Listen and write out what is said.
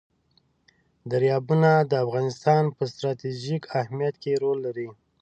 دریابونه د افغانستان په ستراتیژیک اهمیت کې رول لري.